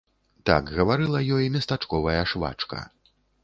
Так гаварыла ёй местачковая швачка.